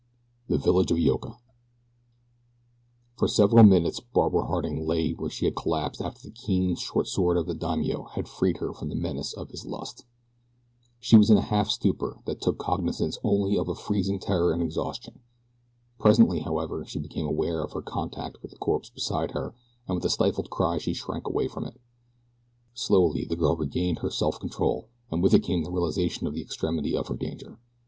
THE VILLAGE OF YOKA FOR several minutes Barbara Harding lay where she had collapsed after the keen short sword of the daimio had freed her from the menace of his lust. She was in a half stupor that took cognizance only of a freezing terror and exhaustion. Presently, however, she became aware of her contact with the corpse beside her, and with a stifled cry she shrank away from it. Slowly the girl regained her self control and with it came the realization of the extremity of her danger.